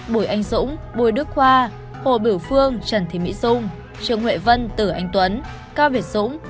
bùi anh dũng bùi đức khoa hồ biểu phương trần thị mỹ dung trương huệ vân tử anh tuấn cao việt dũng